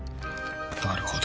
なるほどね。